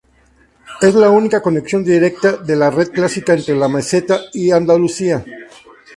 Es la única conexión directa de la red clásica entre la Meseta y Andalucía.